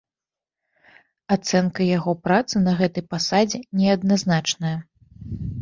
Ацэнка яго працы на гэтай пасадзе неадназначная.